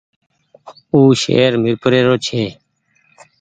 او شهر ميرپور رو ڇي۔